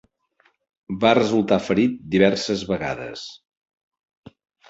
Va resultar ferit diverses vegades.